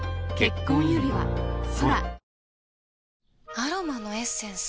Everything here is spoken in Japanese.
アロマのエッセンス？